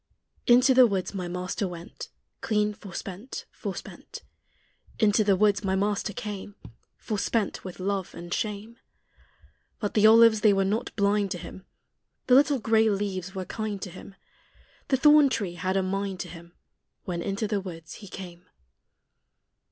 Into the woods my Master went, Clean forspent, forspent. Into the woods my Master came, Forspent with love and shame. But the olives they were not blind to Him; The little gray leaves were kind to Him; The thorn tree had a mind to Him When into the woods He came.